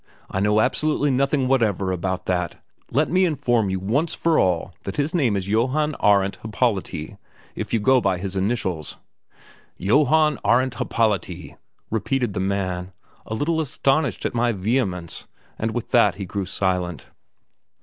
I know absolutely nothing whatever about that! Let me inform you once for all that his name is Johann Arendt Happolati, if you go by his own initials." "Johannn Arendt Happolati!" repeated the man, a little astonished at my vehemence; and with that he grew silent.